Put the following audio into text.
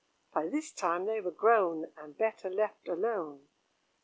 By this time they were grown, And better left alone.